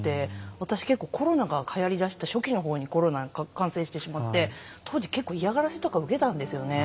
私はコロナがはやりだした初期の方にコロナに感染してしまって当時、結構嫌がらせとか受けたんです。